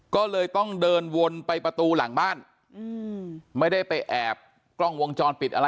ก็เลยต้องเดินวนไปประตูหลังบ้านไม่ได้ไปแอบกล้องวงจรปิดอะไร